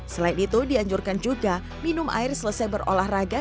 waktu dianjurkan juga minum air selesai berolahraga